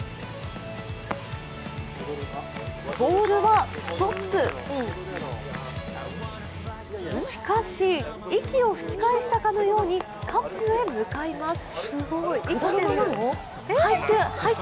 ボールはストップしかし、息を吹き返したかのようにカップへ向かいます。